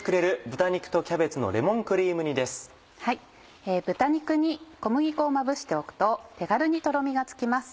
豚肉に小麦粉をまぶしておくと手軽にとろみがつきます。